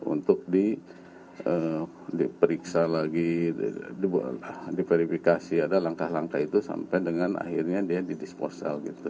untuk diperiksa lagi diverifikasi ada langkah langkah itu sampai dengan akhirnya dia di disposal gitu